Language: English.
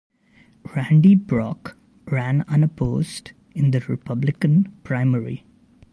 Randy Brock ran unopposed in the Republican primary.